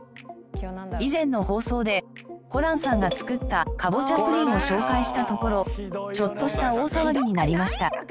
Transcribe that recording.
以前の放送でホランさんが作ったかぼちゃプリンを紹介したところちょっとした大騒ぎになりました。